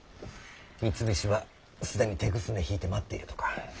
三菱は既にてぐすね引いて待っているとか。